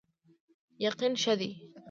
یقین ښه دی.